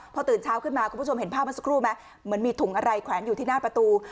พอตื่นเช้าขึ้นมาคุณผู้ชมเห็นภาพมาสักครู่ไหมเหมือนมีถุงอะไรแขวนอยู่ที่หน้าประตู